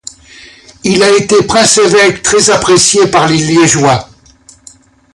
Il a été un prince-évêque très apprécié par les Liégeois.